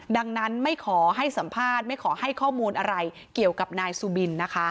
ดังนั้นไม่ขอให้สัมภาษณ์ไม่ขอให้ข้อมูลอะไรเกี่ยวกับนายสุบินนะคะ